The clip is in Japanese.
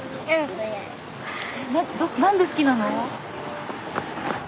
何で好きなの？